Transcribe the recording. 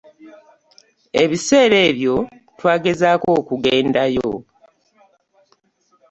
Ebiseera ebyo twagezaako okugendayo.